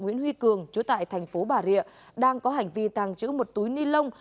nguyễn huy cường chú tại thành phố bà rịa đang có hành vi tàng trữ một túi ni lông